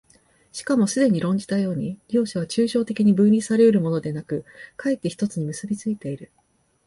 しかもすでに論じたように、両者は抽象的に分離され得るものでなく、却って一つに結び付いている。